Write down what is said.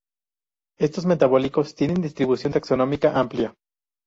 Estos metabolitos tienen distribución taxonómica amplia.